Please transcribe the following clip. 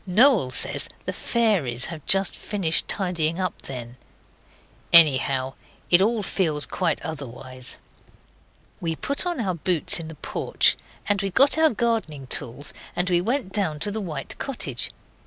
Noel says the fairies have just finished tidying up then. Anyhow it all feels quite otherwise. We put on our boots in the porch, and we got our gardening tools and we went down to the white cottage.